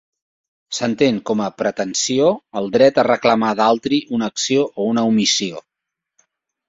S'entén com a pretensió el dret a reclamar d'altri una acció o una omissió.